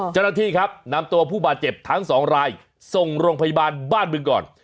เจ้าหน้าที่ครับนำตัวผู้บาดเจ็บทั้งสองรายส่งโรงพยาบาลบ้านบึงก่อน